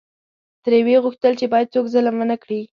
ترې وې غوښتل چې باید څوک ظلم ونکړي.